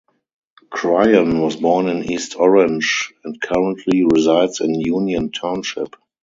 Cryan was born in East Orange, and currently resides in Union Township.